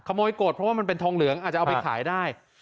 โกรธเพราะว่ามันเป็นทองเหลืองอาจจะเอาไปขายได้